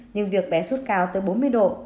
nhưng việc bé suốt cao tới bốn mươi độ